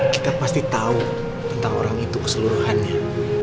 kita pasti tahu tentang orang itu keseluruhannya